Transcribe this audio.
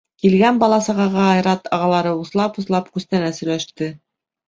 Килгән бала-сағаға Айрат ағалары услап-услап күстәнәс өләште.